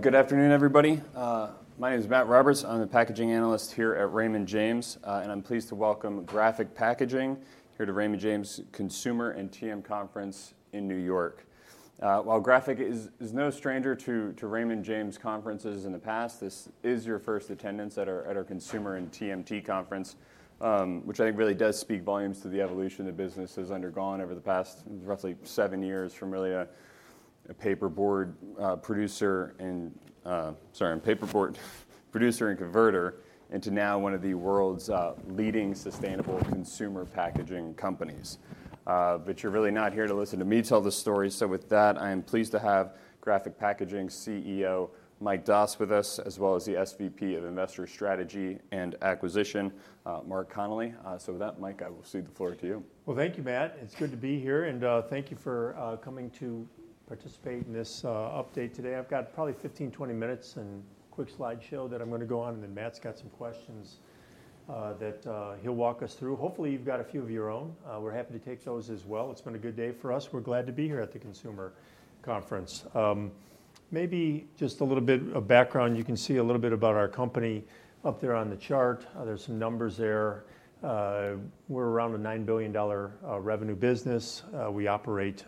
Good afternoon, everybody. My name is Matt Roberts. I'm the Packaging Analyst here at Raymond James, and I'm pleased to welcome Graphic Packaging here to Raymond James Consumer and TMT Conference in New York. While Graphic is no stranger to Raymond James conferences in the past, this is your first attendance at our Consumer and TMT Conference, which I think really does speak volumes to the evolution the business has undergone over the past roughly seven years from really a paperboard producer and, sorry, a paperboard producer and converter into now one of the world's leading sustainable consumer packaging companies. But you're really not here to listen to me tell the story. So with that, I am pleased to have Graphic Packaging CEO Mike Doss with us, as well as the SVP of Investor Strategy and Acquisition, Mark Connelly. So with that, Mike, I will cede the floor to you. Thank you, Matt. It's good to be here, and thank you for coming to participate in this update today. I've got probably 15-20 minutes and a quick slideshow that I'm going to go on, and then Matt's got some questions that he'll walk us through. Hopefully, you've got a few of your own. We're happy to take those as well. It's been a good day for us. We're glad to be here at the Consumer Conference. Maybe just a little bit of background. You can see a little bit about our company up there on the chart. There's some numbers there. We're around a $9 billion revenue business. We operate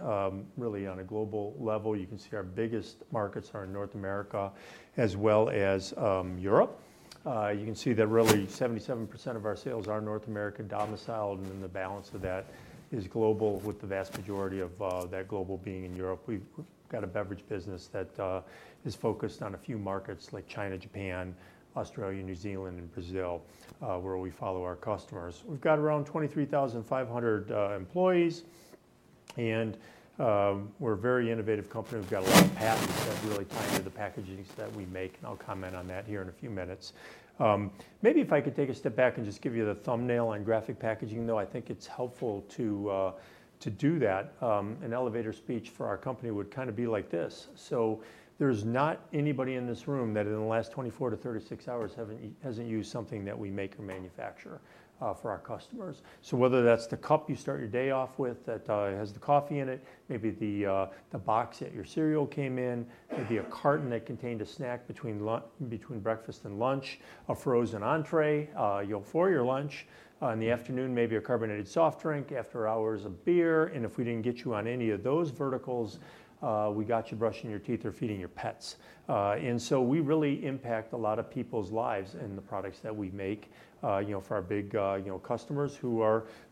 really on a global level. You can see our biggest markets are in North America as well as Europe. You can see that really 77% of our sales are North American domiciled, and then the balance of that is global, with the vast majority of that global being in Europe. We've got a beverage business that is focused on a few markets like China, Japan, Australia, New Zealand, and Brazil, where we follow our customers. We've got around 23,500 employees, and we're a very innovative company. We've got a lot of patents that really tie into the packagings that we make, and I'll comment on that here in a few minutes. Maybe if I could take a step back and just give you the thumbnail on Graphic Packaging, though, I think it's helpful to do that. An elevator speech for our company would kind of be like this: So there's not anybody in this room that in the last 24-36 hours hasn't used something that we make or manufacture for our customers. So whether that's the cup you start your day off with that has the coffee in it, maybe the box that your cereal came in, maybe a carton that contained a snack between breakfast and lunch, a frozen entrée for your lunch in the afternoon, maybe a carbonated soft drink after hours of beer. And if we didn't get you on any of those verticals, we got you brushing your teeth or feeding your pets. And so we really impact a lot of people's lives in the products that we make for our big customers,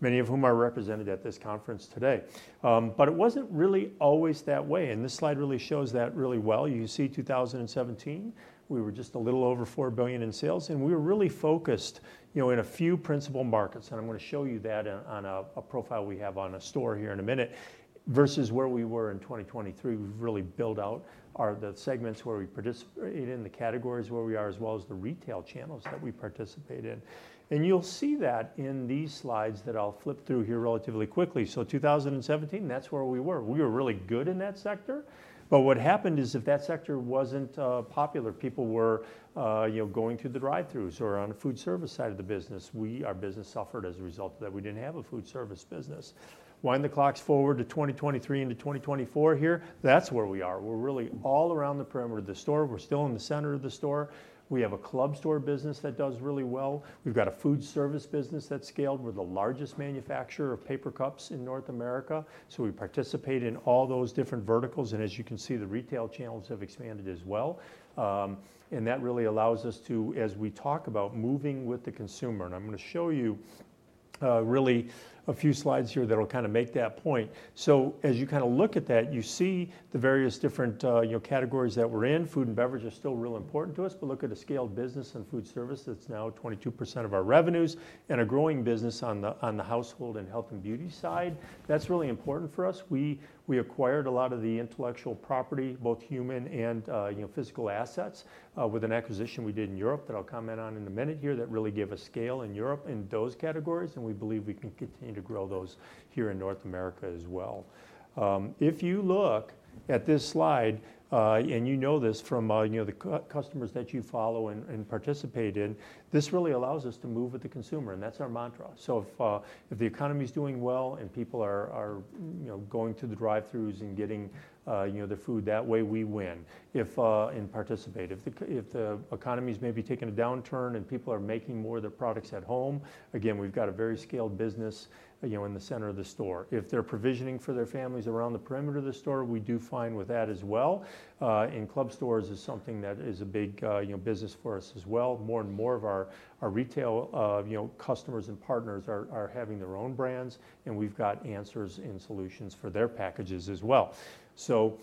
many of whom are represented at this conference today. But it wasn't really always that way, and this slide really shows that really well. You can see 2017, we were just a little over $4 billion in sales, and we were really focused in a few principal markets. And I'm going to show you that on a profile we have on a store here in a minute versus where we were in 2023. We've really built out the segments where we participate in, the categories where we are, as well as the retail channels that we participate in. And you'll see that in these slides that I'll flip through here relatively quickly. So 2017, that's where we were. We were really good in that sector, but what happened is if that sector wasn't popular, people were going through the drive-throughs or on the food service side of the business, our business suffered as a result of that. We didn't have a food service business. Wind the clocks forward to 2023 into 2024 here. That's where we are. We're really all around the perimeter of the store. We're still in the center of the store. We have a club store business that does really well. We've got a food service business that's scaled. We're the largest manufacturer of paper cups in North America. So we participate in all those different verticals, and as you can see, the retail channels have expanded as well. And that really allows us to, as we talk about moving with the consumer. And I'm going to show you really a few slides here that will kind of make that point. So as you kind of look at that, you see the various different categories that we're in. Food and beverage are still real important to us, but look at a scaled business in food service that's now 22% of our revenues and a growing business on the household and health and beauty side. That's really important for us. We acquired a lot of the intellectual property, both human and physical assets, with an acquisition we did in Europe that I'll comment on in a minute here that really gave us scale in Europe in those categories, and we believe we can continue to grow those here in North America as well. If you look at this slide, and you know this from the customers that you follow and participate in, this really allows us to move with the consumer, and that's our mantra. So if the economy's doing well and people are going to the drive-throughs and getting their food, that way we win. If, and participate. If the economy's maybe taking a downturn and people are making more of their products at home, again, we've got a very scaled business in the center of the store. If they're provisioning for their families around the perimeter of the store, we do fine with that as well. In club stores is something that is a big business for us as well. More and more of our retail customers and partners are having their own brands, and we've got answers and solutions for their packages as well. So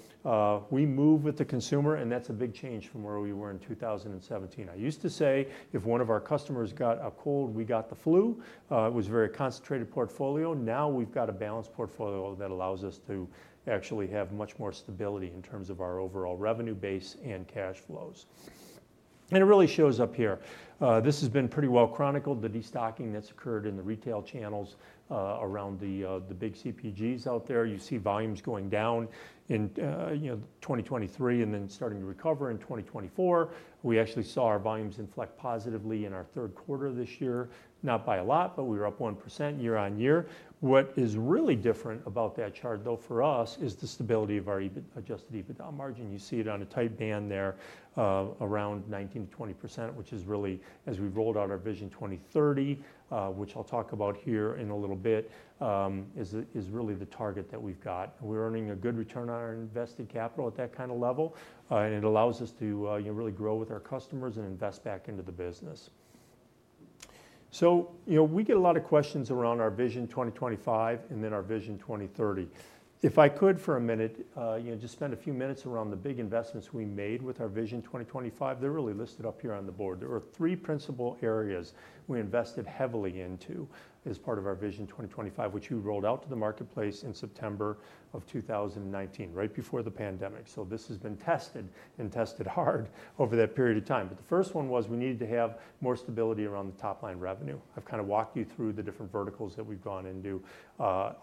we move with the consumer, and that's a big change from where we were in 2017. I used to say if one of our customers got a cold, we got the flu. It was a very concentrated portfolio. Now we've got a balanced portfolio that allows us to actually have much more stability in terms of our overall revenue base and cash flows. And it really shows up here. This has been pretty well chronicled, the destocking that's occurred in the retail channels around the big CPGs out there. You see volumes going down in 2023 and then starting to recover in 2024. We actually saw our volumes inflect positively in our third quarter this year, not by a lot, but we were up 1% year on year. What is really different about that chart, though, for us is the stability of our Adjusted EBITDA margin. You see it on a tight band there around 19%-20%, which is really, as we've rolled out our Vision 2030, which I'll talk about here in a little bit, is really the target that we've got. We're earning a good return on our invested capital at that kind of level, and it allows us to really grow with our customers and invest back into the business. So we get a lot of questions around our Vision 2025 and then our Vision 2030. If I could for a minute, just spend a few minutes around the big investments we made with our Vision 2025, they're really listed up here on the board. There were three principal areas we invested heavily into as part of our Vision 2025, which we rolled out to the marketplace in September of 2019, right before the pandemic. So this has been tested and tested hard over that period of time. But the first one was we needed to have more stability around the top-line revenue. I've kind of walked you through the different verticals that we've gone into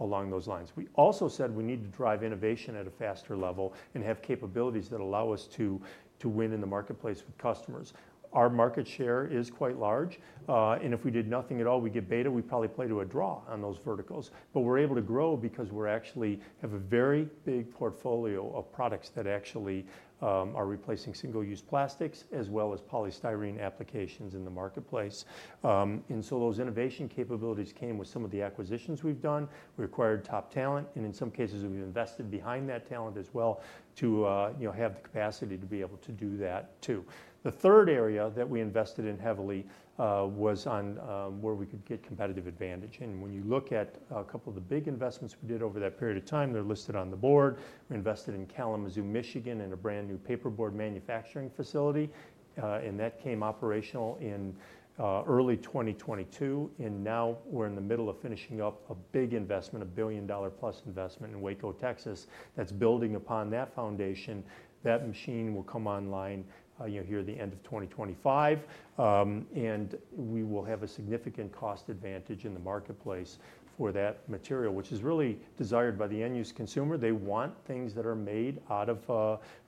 along those lines. We also said we need to drive innovation at a faster level and have capabilities that allow us to win in the marketplace with customers. Our market share is quite large, and if we did nothing at all, we get Beta, we'd probably play to a draw on those verticals. But we're able to grow because we actually have a very big portfolio of products that actually are replacing single-use plastics as well as polystyrene applications in the marketplace. And so those innovation capabilities came with some of the acquisitions we've done. We acquired top talent, and in some cases, we've invested behind that talent as well to have the capacity to be able to do that too. The third area that we invested in heavily was on where we could get competitive advantage. When you look at a couple of the big investments we did over that period of time, they're listed on the board. We invested in Kalamazoo, Michigan, in a brand new paperboard manufacturing facility, and that came operational in early 2022. Now we're in the middle of finishing up a big investment, a $1 billion-plus investment in Waco, Texas, that's building upon that foundation. That machine will come online here at the end of 2025, and we will have a significant cost advantage in the marketplace for that material, which is really desired by the end-use consumer. They want things that are made out of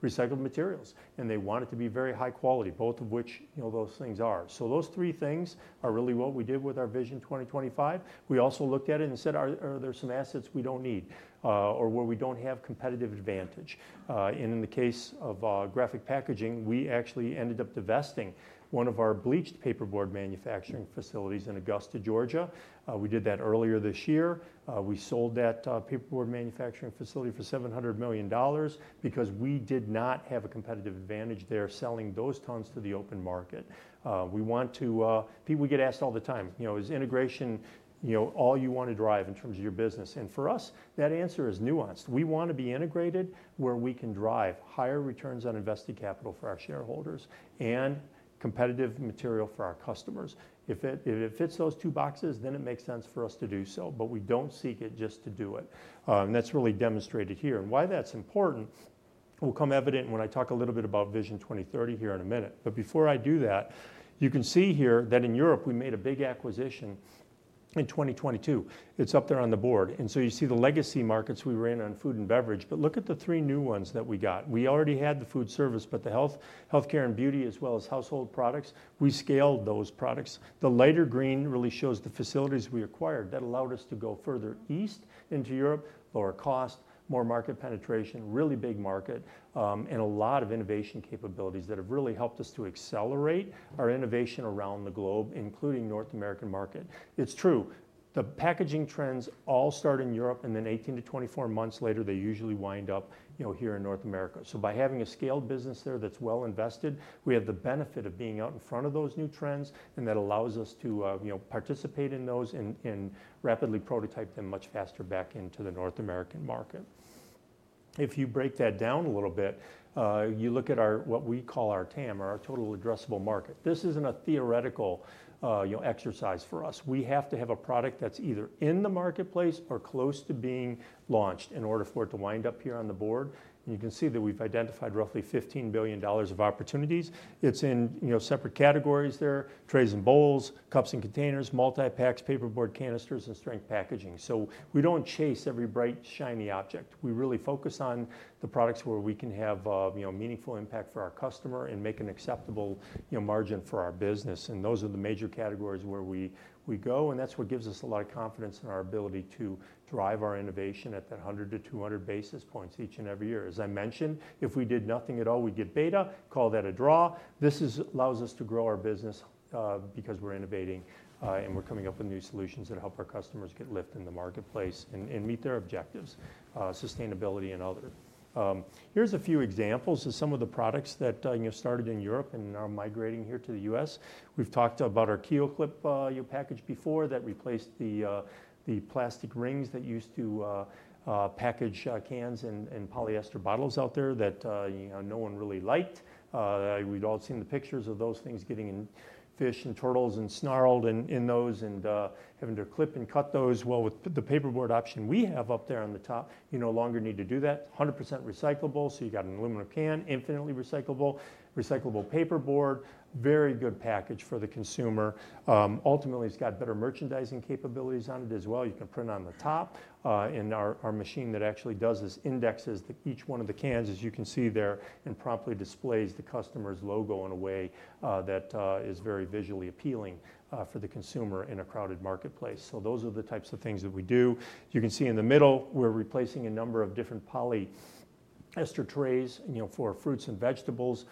recycled materials, and they want it to be very high quality, both of which those things are. Those three things are really what we did with our Vision 2025. We also looked at it and said, are there some assets we don't need or where we don't have competitive advantage? And in the case of Graphic Packaging, we actually ended up divesting one of our bleached paperboard manufacturing facilities in Augusta, Georgia. We did that earlier this year. We sold that paperboard manufacturing facility for $700 million because we did not have a competitive advantage there selling those tons to the open market. We want to, people get asked all the time, is integration all you want to drive in terms of your business? And for us, that answer is nuanced. We want to be integrated where we can drive higher returns on invested capital for our shareholders and competitive material for our customers. If it fits those two boxes, then it makes sense for us to do so, but we don't seek it just to do it. And that's really demonstrated here. And why that's important will come evident when I talk a little bit about Vision 2030 here in a minute. But before I do that, you can see here that in Europe, we made a big acquisition in 2022. It's up there on the board. And so you see the legacy markets we ran on food and beverage, but look at the three new ones that we got. We already had the food service, but the health, healthcare, and beauty, as well as household products, we scaled those products. The lighter green really shows the facilities we acquired. That allowed us to go further east into Europe, lower cost, more market penetration, really big market, and a lot of innovation capabilities that have really helped us to accelerate our innovation around the globe, including North American market. It's true. The packaging trends all start in Europe, and then 18-24 months later, they usually wind up here in North America. So by having a scaled business there that's well invested, we have the benefit of being out in front of those new trends, and that allows us to participate in those and rapidly prototype them much faster back into the North American market. If you break that down a little bit, you look at what we call our TAM, or our total addressable market. This isn't a theoretical exercise for us. We have to have a product that's either in the marketplace or close to being launched in order for it to wind up here on the board. And you can see that we've identified roughly $15 billion of opportunities. It's in separate categories there: trays and bowls, cups and containers, multi-packs, paperboard canisters, and strength packaging. We don't chase every bright, shiny object. We really focus on the products where we can have meaningful impact for our customer and make an acceptable margin for our business. And those are the major categories where we go, and that's what gives us a lot of confidence in our ability to drive our innovation at that 100-200 basis points each and every year. As I mentioned, if we did nothing at all, we'd get beta. Call that a draw. This allows us to grow our business because we're innovating and we're coming up with new solutions that help our customers get lift in the marketplace and meet their objectives, sustainability, and other. Here's a few examples of some of the products that started in Europe and are migrating here to the U.S. We've talked about our KeelClip package before that replaced the plastic rings that used to package cans and plastic bottles out there that no one really liked. We'd all seen the pictures of those things getting in fish and turtles and snarled in those and having to clip and cut those. Well, with the paperboard option we have up there on the top, you no longer need to do that. 100% recyclable, so you got an aluminum can, infinitely recyclable, recyclable paperboard, very good package for the consumer. Ultimately, it's got better merchandising capabilities on it as well. You can print on the top, and our machine that actually does this indexes each one of the cans, as you can see there, and promptly displays the customer's logo in a way that is very visually appealing for the consumer in a crowded marketplace. So those are the types of things that we do. You can see in the middle, we're replacing a number of different polyester trays for fruits and vegetables.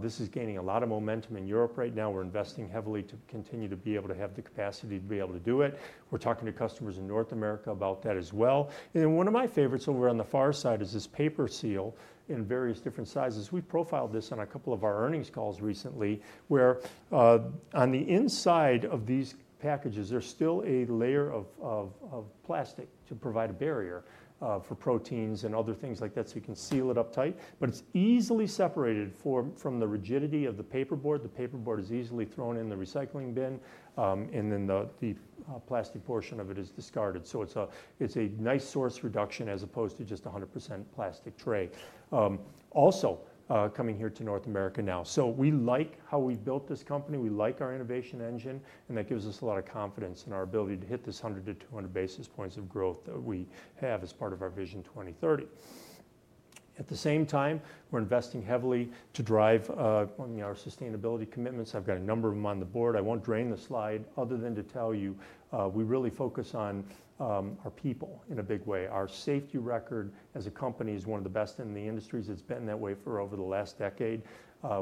This is gaining a lot of momentum in Europe right now. We're investing heavily to continue to be able to have the capacity to be able to do it. We're talking to customers in North America about that as well. And then one of my favorites over on the far side is this PaperSeal in various different sizes. We profiled this on a couple of our earnings calls recently where on the inside of these packages, there's still a layer of plastic to provide a barrier for proteins and other things like that so you can seal it up tight, but it's easily separated from the rigidity of the paperboard. The paperboard is easily thrown in the recycling bin, and then the plastic portion of it is discarded. So it's a nice source reduction as opposed to just a 100% plastic tray. Also, coming here to North America now. So we like how we built this company. We like our innovation engine, and that gives us a lot of confidence in our ability to hit this 100-200 basis points of growth that we have as part of our Vision 2030. At the same time, we're investing heavily to drive our sustainability commitments. I've got a number of them on the board. I won't drain the slide other than to tell you we really focus on our people in a big way. Our safety record as a company is one of the best in the industry. It's been that way for over the last decade.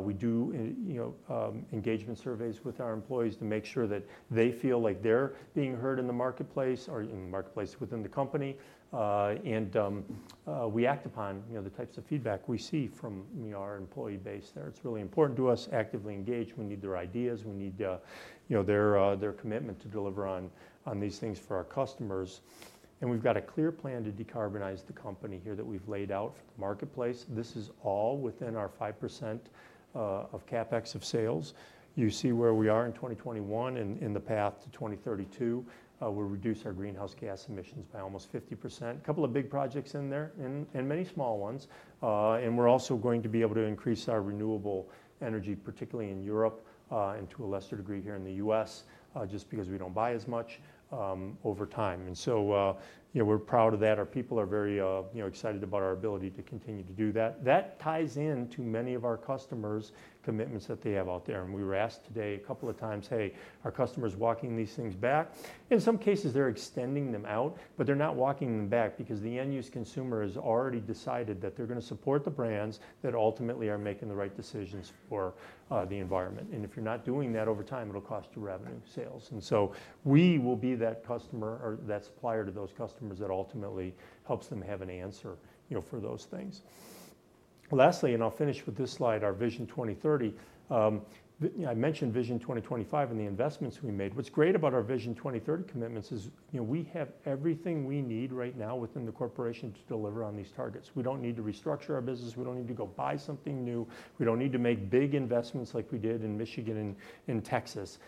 We do engagement surveys with our employees to make sure that they feel like they're being heard in the marketplace or in the marketplace within the company, and we act upon the types of feedback we see from our employee base there. It's really important to us to actively engage. We need their ideas. We need their commitment to deliver on these things for our customers, and we've got a clear plan to decarbonize the company here that we've laid out for the marketplace. This is all within our 5% of CapEx of sales. You see where we are in 2021 and in the path to 2032. We reduce our greenhouse gas emissions by almost 50%. A couple of big projects in there and many small ones. And we're also going to be able to increase our renewable energy, particularly in Europe and to a lesser degree here in the U.S., just because we don't buy as much over time. And so we're proud of that. Our people are very excited about our ability to continue to do that. That ties into many of our customers' commitments that they have out there. And we were asked today a couple of times, "Hey, are customers walking these things back?" In some cases, they're extending them out, but they're not walking them back because the end-use consumer has already decided that they're going to support the brands that ultimately are making the right decisions for the environment. And if you're not doing that over time, it'll cost you revenue sales. And so we will be that customer or that supplier to those customers that ultimately helps them have an answer for those things. Lastly, and I'll finish with this slide, our Vision 2030. I mentioned Vision 2025 and the investments we made. What's great about our Vision 2030 commitments is we have everything we need right now within the corporation to deliver on these targets. We don't need to restructure our business. We don't need to go buy something new. We don't need to make big investments like we did in Michigan and Texas.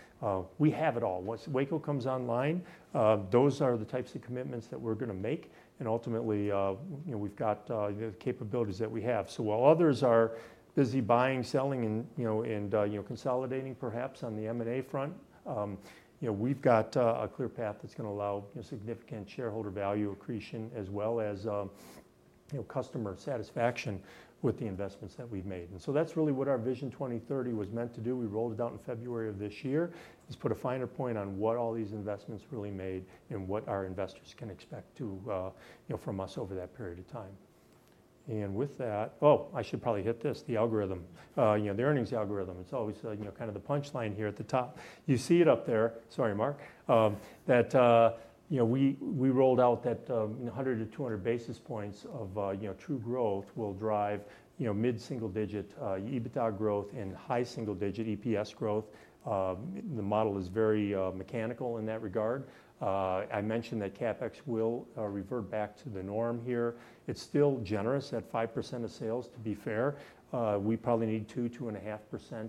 We have it all. Once Waco comes online, those are the types of commitments that we're going to make. And ultimately, we've got the capabilities that we have. So while others are busy buying, selling, and consolidating perhaps on the M&A front, we've got a clear path that's going to allow significant shareholder value accretion as well as customer satisfaction with the investments that we've made. And so that's really what our Vision 2030 was meant to do. We rolled it out in February of this year. Let's put a finer point on what all these investments really made and what our investors can expect from us over that period of time. And with that, oh, I should probably hit this, the algorithm, the earnings algorithm. It's always kind of the punchline here at the top. You see it up there. Sorry, Mark. That we rolled out that 100 to 200 basis points of true growth will drive mid-single-digit EBITDA growth and high single-digit EPS growth. The model is very mechanical in that regard. I mentioned that CapEx will revert back to the norm here. It's still generous at 5% of sales, to be fair. We probably need 2-2.5%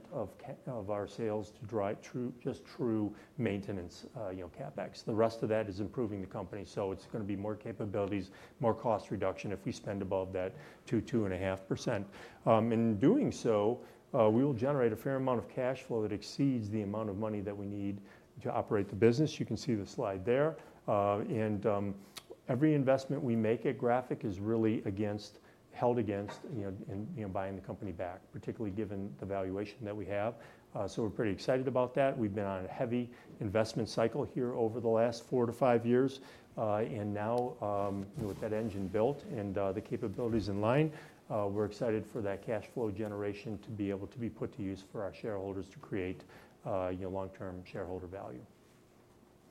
of our sales to drive just true maintenance CapEx. The rest of that is improving the company. So it's going to be more capabilities, more cost reduction if we spend above that 2-2.5%. In doing so, we will generate a fair amount of cash flow that exceeds the amount of money that we need to operate the business. You can see the slide there, and every investment we make at Graphic is really held against buying the company back, particularly given the valuation that we have, so we're pretty excited about that. We've been on a heavy investment cycle here over the last four to five years. And now with that engine built and the capabilities in line, we're excited for that cash flow generation to be able to be put to use for our shareholders to create long-term shareholder value.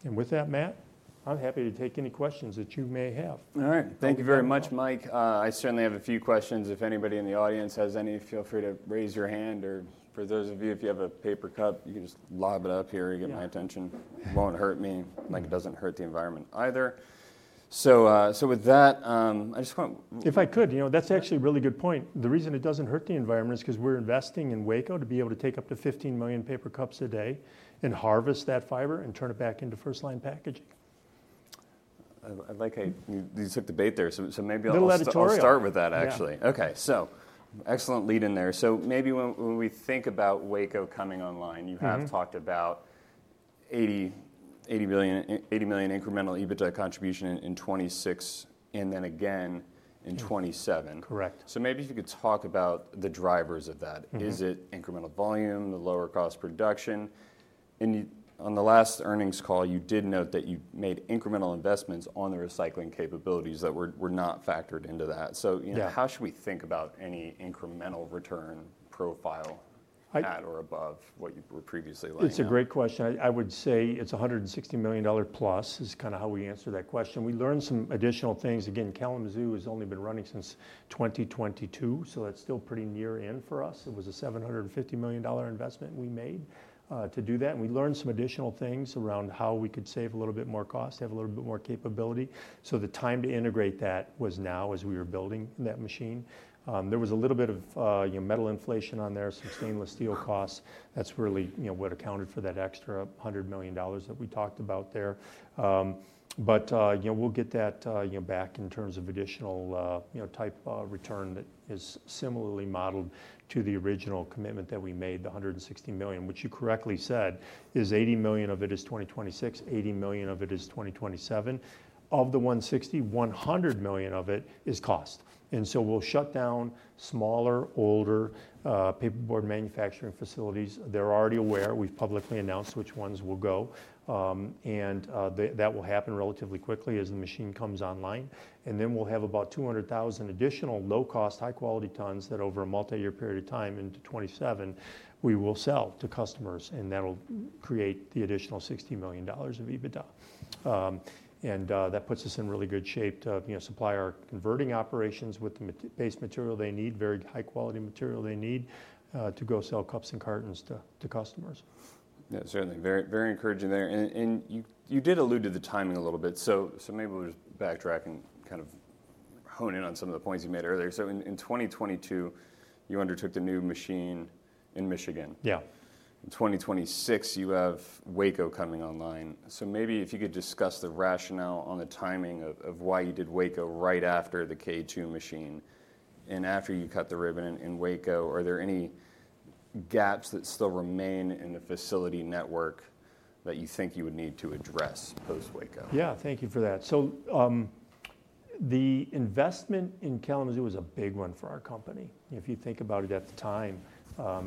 And with that, Matt, I'm happy to take any questions that you may have. All right. Thank you very much, Mike. I certainly have a few questions. If anybody in the audience has any, feel free to raise your hand. Or for those of you, if you have a paper cup, you can just lob it up here. You get my attention. It won't hurt me. It doesn't hurt the environment either. So with that, I just want to. If I could, that's actually a really good point. The reason it doesn't hurt the environment is because we're investing in Waco to be able to take up to 15 million paper cups a day and harvest that fiber and turn it back into first-line packaging. I like how you took the bait there. So maybe I'll start with that, actually. Okay. So excellent lead in there. So maybe when we think about Waco coming online, you have talked about 80 million incremental EBITDA contribution in 2026 and then again in 2027. Correct. So maybe if you could talk about the drivers of that. Is it incremental volume, the lower cost production? And on the last earnings call, you did note that you made incremental investments on the recycling capabilities that were not factored into that. So how should we think about any incremental return profile at or above what you were previously laying out? It's a great question. I would say it's $160 million plus, is kind of how we answer that question. We learned some additional things. Again, Kalamazoo has only been running since 2022, so that's still pretty new in for us. It was a $750 million investment we made to do that, and we learned some additional things around how we could save a little bit more cost, have a little bit more capability, so the time to integrate that was now as we were building that machine. There was a little bit of metal inflation on there, some stainless steel costs. That's really what accounted for that extra $100 million that we talked about there. But we'll get that back in terms of additional type return that is similarly modeled to the original commitment that we made, the $160 million, which you correctly said is 80 million of it is 2026, 80 million of it is 2027. Of the $160, $100 million of it is cost. And so we'll shut down smaller, older paperboard manufacturing facilities. They're already aware. We've publicly announced which ones will go. And that will happen relatively quickly as the machine comes online. And then we'll have about 200,000 additional low-cost, high-quality tons that over a multi-year period of time into 2027, we will sell to customers. And that'll create the additional $60 million of EBITDA. And that puts us in really good shape to supply our converting operations with the base material they need, very high-quality material they need to go sell cups and cartons to customers. Yeah, certainly. Very encouraging there. And you did allude to the timing a little bit. So maybe we'll just backtrack and kind of hone in on some of the points you made earlier. So in 2022, you undertook the new machine in Michigan. Yeah. In 2026, you have Waco coming online. So maybe if you could discuss the rationale on the timing of why you did Waco right after the K2 machine. And after you cut the ribbon in Waco, are there any gaps that still remain in the facility network that you think you would need to address post-Waco? Yeah, thank you for that. So the investment in Kalamazoo was a big one for our company. If you think about it at the time,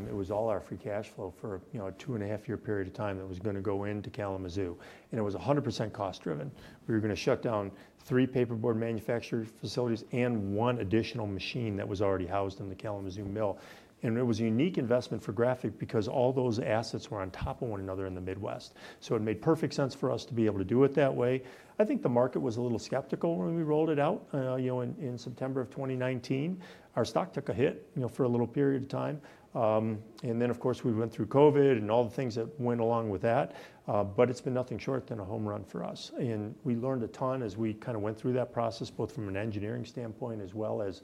it was all our free cash flow for a two-and-a-half-year period of time that was going to go into Kalamazoo. And it was 100% cost-driven. We were going to shut down three paperboard manufacturer facilities and one additional machine that was already housed in the Kalamazoo mill. And it was a unique investment for Graphic because all those assets were on top of one another in the Midwest. So it made perfect sense for us to be able to do it that way. I think the market was a little skeptical when we rolled it out in September of 2019. Our stock took a hit for a little period of time. And then, of course, we went through COVID and all the things that went along with that. But it's been nothing short of a home run for us. And we learned a ton as we kind of went through that process, both from an engineering standpoint as well as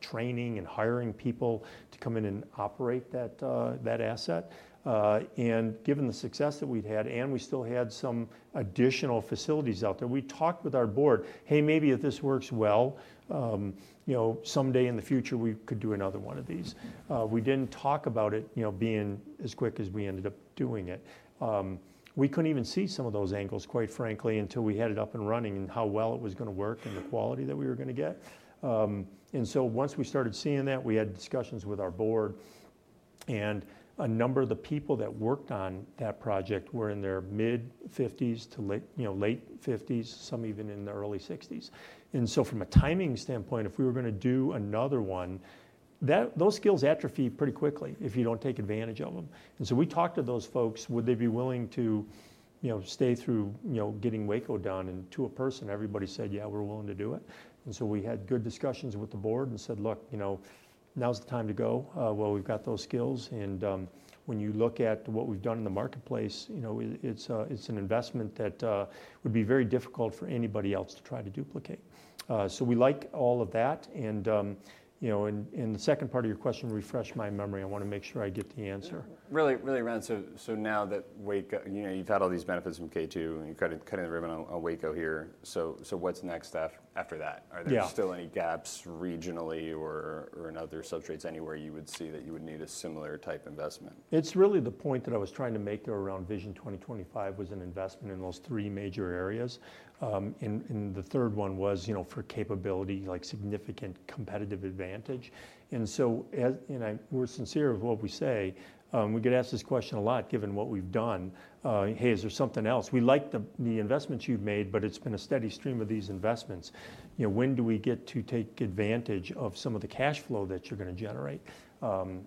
training and hiring people to come in and operate that asset. And given the success that we'd had, and we still had some additional facilities out there, we talked with our board, "Hey, maybe if this works well, someday in the future, we could do another one of these." We didn't talk about it being as quick as we ended up doing it. We couldn't even see some of those angles, quite frankly, until we had it up and running and how well it was going to work and the quality that we were going to get. And so once we started seeing that, we had discussions with our board. And a number of the people that worked on that project were in their mid-50s to late-50s, some even in their early 60s. And so from a timing standpoint, if we were going to do another one, those skills atrophy pretty quickly if you don't take advantage of them. And so we talked to those folks. Would they be willing to stay through getting Waco done? And to a person, everybody said, "Yeah, we're willing to do it." And so we had good discussions with the board and said, "Look, now's the time to go. Well, we've got those skills. And when you look at what we've done in the marketplace, it's an investment that would be very difficult for anybody else to try to duplicate." So we like all of that. In the second part of your question, refresh my memory. I want to make sure I get the answer. Really, really around. So now that you've had all these benefits from K2 and you're cutting the ribbon on Waco here, so what's next after that? Are there still any gaps regionally or in other substrates anywhere you would see that you would need a similar type investment? It's really the point that I was trying to make around Vision 2025 was an investment in those three major areas, and the third one was for capability, like significant competitive advantage, and so we're sincere with what we say. We get asked this question a lot given what we've done. "Hey, is there something else?" We like the investments you've made, but it's been a steady stream of these investments. "When do we get to take advantage of some of the cash flow that you're going to generate"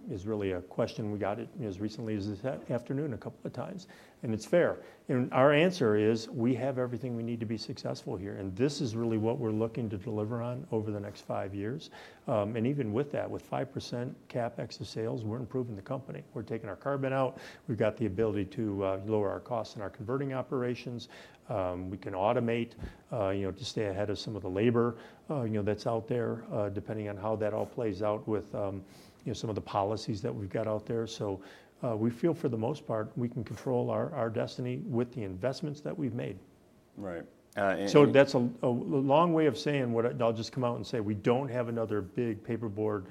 is really a question we got as recently as this afternoon a couple of times, and it's fair, and our answer is we have everything we need to be successful here, and this is really what we're looking to deliver on over the next five years, and even with that, with 5% CapEx of sales, we're improving the company. We're taking our carbon out. We've got the ability to lower our costs in our converting operations. We can automate to stay ahead of some of the labor that's out there depending on how that all plays out with some of the policies that we've got out there. So we feel for the most part, we can control our destiny with the investments that we've made. Right. So that's a long way of saying what I'll just come out and say. We don't have another big paperboard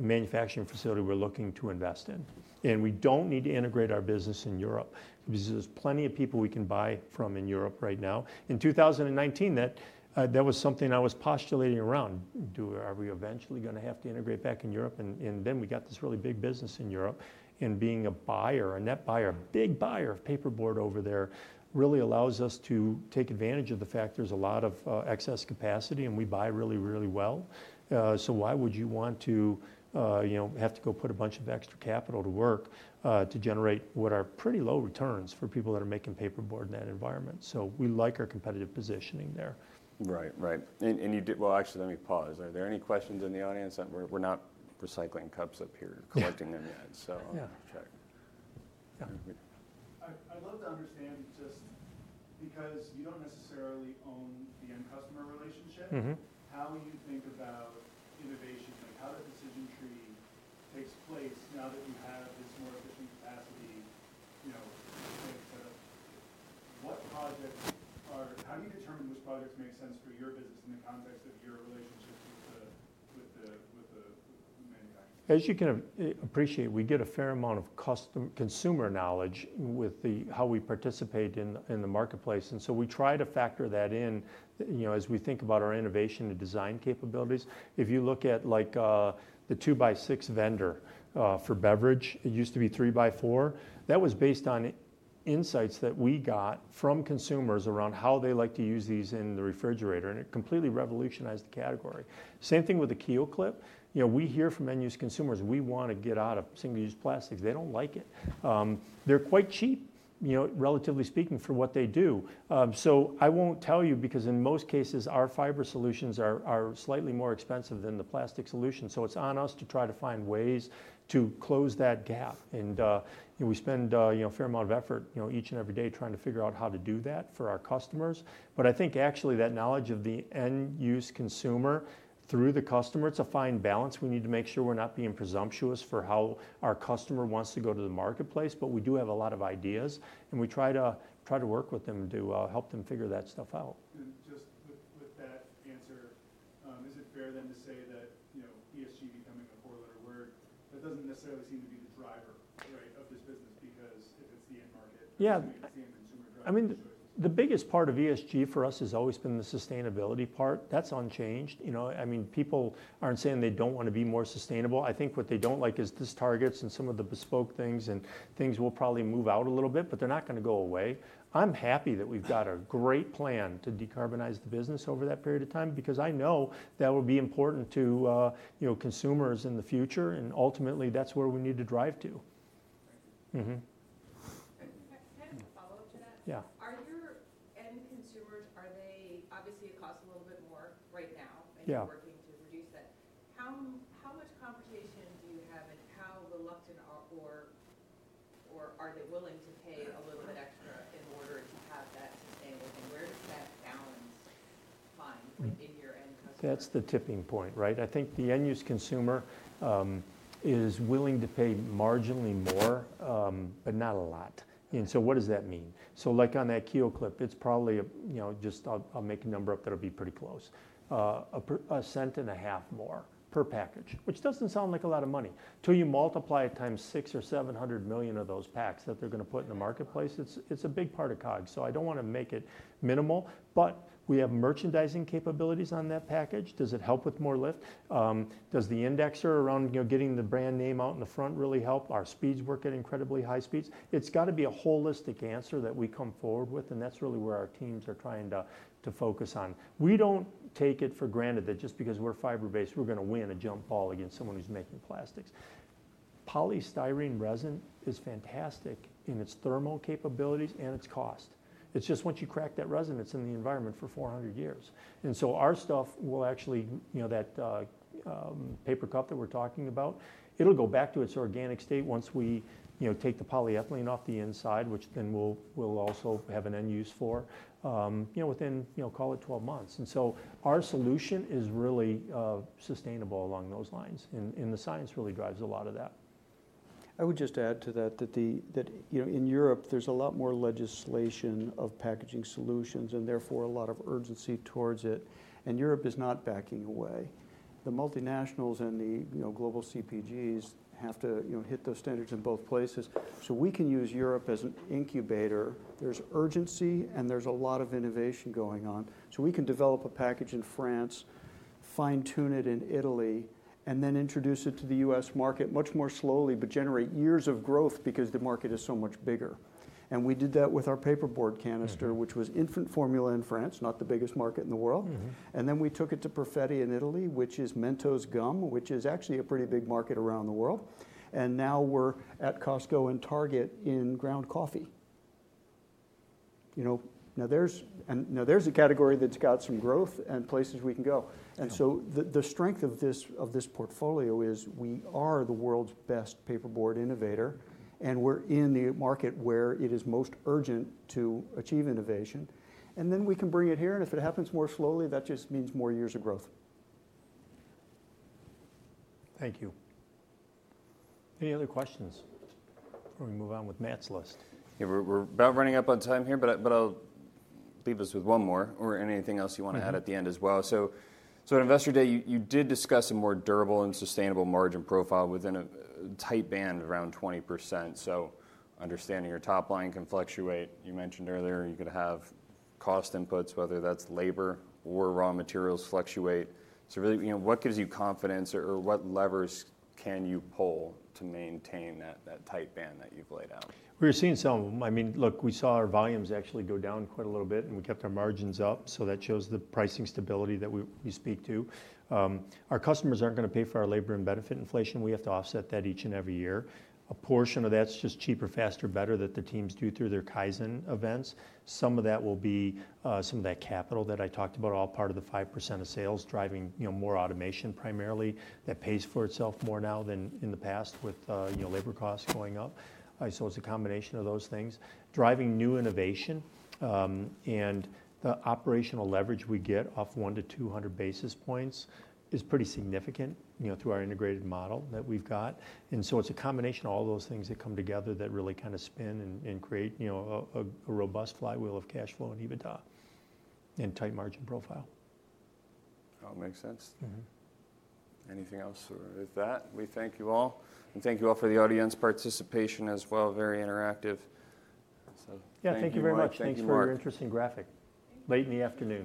manufacturing facility we're looking to invest in. And we don't need to integrate our business in Europe. There's plenty of people we can buy from in Europe right now. In 2019, that was something I was postulating around. Are we eventually going to have to integrate back in Europe? And then we got this really big business in Europe. And being a buyer, a net buyer, a big buyer of paperboard over there really allows us to take advantage of the fact there's a lot of excess capacity and we buy really, really well. So why would you want to have to go put a bunch of extra capital to work to generate what are pretty low returns for people that are making paperboard in that environment? So we like our competitive positioning there. Right, right, and you did, well, actually, let me pause. Are there any questions in the audience? We're not recycling cups up here, collecting them yet, so I'll check. I'd love to understand just because you don't necessarily own the end customer relationship, how you think about innovation, how that decision tree takes place now that you have this more efficient capacity to set up. How do you determine which projects make sense for your business in the context of your relationship with the manufacturers? As you can appreciate, we get a fair amount of consumer knowledge with how we participate in the marketplace. And so we try to factor that in as we think about our innovation and design capabilities. If you look at the 2x6 vendor for beverage, it used to be 3x4. That was based on insights that we got from consumers around how they like to use these in the refrigerator. And it completely revolutionized the category. Same thing with the KeelClip. We hear from end-use consumers, "We want to get out of single-use plastics." They don't like it. They're quite cheap, relatively speaking, for what they do. So I won't tell you because in most cases, our fiber solutions are slightly more expensive than the plastic solution. So it's on us to try to find ways to close that gap. And we spend a fair amount of effort each and every day trying to figure out how to do that for our customers. But I think actually that knowledge of the end-use consumer through the customer, it's a fine balance. We need to make sure we're not being presumptuous for how our customer wants to go to the marketplace. But we do have a lot of ideas. And we try to work with them to help them figure that stuff out. Just with that answer, is it fair then to say that ESG becoming a four-letter word, that doesn't necessarily seem to be the driver of this business because if it's the end market, it's the end-consumer driver? I mean, the biggest part of ESG for us has always been the sustainability part. That's unchanged. I mean, people aren't saying they don't want to be more sustainable. I think what they don't like is this targets and some of the bespoke things and things will probably move out a little bit, but they're not going to go away. I'm happy that we've got a great plan to decarbonize the business over that period of time because I know that will be important to consumers in the future, and ultimately, that's where we need to drive to. Thank you. Kind of a follow-up to that. Are your end consumers, are they obviously it costs a little bit more right now and you're working to reduce that? How much conversation do you have and how reluctant or are they willing to pay a little bit extra in order to have that sustainability? Where does that balance find in your end customer? That's the tipping point, right? I think the end-use consumer is willing to pay marginally more, but not a lot. And so what does that mean? So like on that KeelClip, it's probably just I'll make a number up that'll be pretty close. $0.015 more per package, which doesn't sound like a lot of money. Until you multiply it times 600 or 700 million of those packs that they're going to put in the marketplace, it's a big part of COGS. So I don't want to make it minimal. But we have merchandising capabilities on that package. Does it help with more lift? Does the indexer around getting the brand name out in the front really help? Our speeds work at incredibly high speeds. It's got to be a holistic answer that we come forward with. That's really where our teams are trying to focus on. We don't take it for granted that just because we're fiber-based, we're going to win a jump ball against someone who's making plastics. Polystyrene resin is fantastic in its thermal capabilities and its cost. It's just once you crack that resin, it's in the environment for 400 years. Our stuff will actually, that paper cup that we're talking about, it'll go back to its organic state once we take the polyethylene off the inside, which then we'll also have an end use for within, call it 12 months. Our solution is really sustainable along those lines. The science really drives a lot of that. I would just add to that that in Europe, there's a lot more legislation of packaging solutions and therefore a lot of urgency towards it. And Europe is not backing away. The multinationals and the global CPGs have to hit those standards in both places. So we can use Europe as an incubator. There's urgency and there's a lot of innovation going on. So we can develop a package in France, fine-tune it in Italy, and then introduce it to the U.S. market much more slowly, but generate years of growth because the market is so much bigger. And we did that with our paperboard canister, which was infant formula in France, not the biggest market in the world. And then we took it to Perfetti in Italy, which is Mentos gum, which is actually a pretty big market around the world. And now we're at Costco and Target in ground coffee. Now there's a category that's got some growth and places we can go. And so the strength of this portfolio is we are the world's best paperboard innovator. And we're in the market where it is most urgent to achieve innovation. And then we can bring it here. And if it happens more slowly, that just means more years of growth. Thank you. Any other questions before we move on with Matt's list? Yeah, we're about running up on time here, but I'll leave us with one more or anything else you want to add at the end as well. So at Investor Day, you did discuss a more durable and sustainable margin profile within a tight band around 20%. So understanding your top line can fluctuate. You mentioned earlier you could have cost inputs, whether that's labor or raw materials fluctuate. So really, what gives you confidence or what levers can you pull to maintain that tight band that you've laid out? We're seeing some of them. I mean, look, we saw our volumes actually go down quite a little bit. And we kept our margins up. So that shows the pricing stability that we speak to. Our customers aren't going to pay for our labor and benefit inflation. We have to offset that each and every year. A portion of that's just cheaper, faster, better that the teams do through their Kaizen events. Some of that will be some of that capital that I talked about, all part of the 5% of sales driving more automation primarily. That pays for itself more now than in the past with labor costs going up. So it's a combination of those things. Driving new innovation and the operational leverage we get off one to 200 basis points is pretty significant through our integrated model that we've got. And so it's a combination of all those things that come together that really kind of spin and create a robust flywheel of cash flow and EBITDA and tight margin profile. That all makes sense. Anything else with that? We thank you all. And thank you all for the audience participation as well. Very interactive. Yeah, thank you very much. Thank you for your interesting graphic. Late in the afternoon.